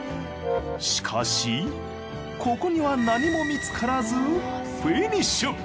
しかしここには何も見つからずフィニッシュ。